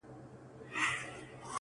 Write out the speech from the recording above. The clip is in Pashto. ته به د خوب په جزيره كي گراني ،